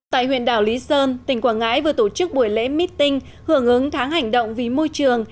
tại huyện đảo lý sơn tỉnh quảng ngãi vừa tổ chức buổi lễ meeting hưởng ứng tháng hành động vì môi trường